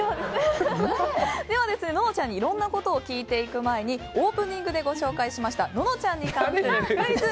では、ののちゃんにいろんなことを聞いていく前にオープニングでご紹介しましたののちゃんに関するクイズ。